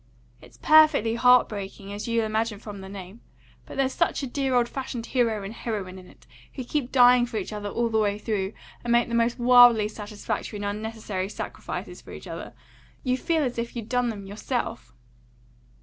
"It's perfectly heart breaking, as you'll imagine from the name; but there's such a dear old fashioned hero and heroine in it, who keep dying for each other all the way through, and making the most wildly satisfactory and unnecessary sacrifices for each other. You feel as if you'd done them yourself."